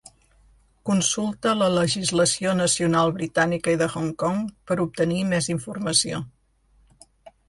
Consulta la legislació nacional britànica i de Hong Kong per obtenir més informació.